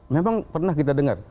memang pernah kita dengar